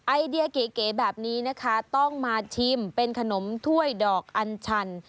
ไอเดียเก๋แบบนี้นะคะต้องมาชิมเป็นขนมถ้วยดอกอันชัน